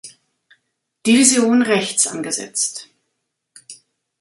Division rechts angesetzt.